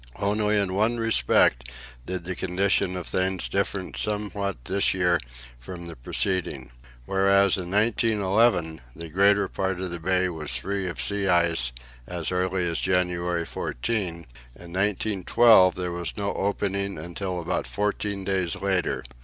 Only in one respect did the condition of things differ somewhat this year from the preceding. Whereas in 1911 the greater part of the bay was free of sea ice as early as January 14, in 1912 there was no opening until about fourteen days later.